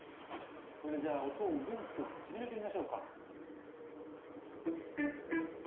それじゃあ音をグンと縮めてみましょうか。